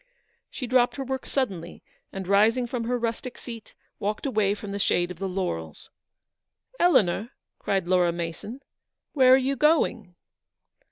She dropped her work suddenly, and rising 298 Eleanor's victory. from her rustic seat, walked away from trie shade of the laurels. " Eleanor," cried Laura Mason, " where are you going